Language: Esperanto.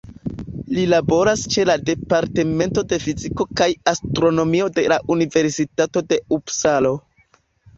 Li laboras ĉe la Departemento de Fiziko kaj Astronomio de la Universitato de Upsalo.